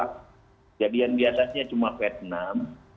kedua jadian biasanya cuma vietnam